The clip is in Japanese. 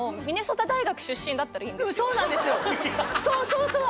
そうそうそう！